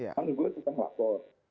kan gue tuh kan lapor